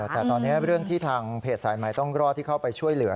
แต่ตอนนี้เรื่องที่ทางเพจสายใหม่ต้องรอดที่เข้าไปช่วยเหลือ